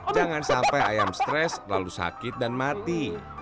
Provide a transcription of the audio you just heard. jangan sampai ayam stres lalu sakit dan mati